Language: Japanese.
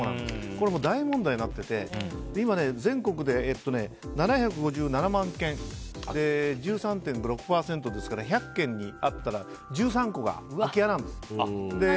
これ、大問題になってて今、全国で７５７万軒１３．６％ですから１００軒あったら１３戸が空き家なんです。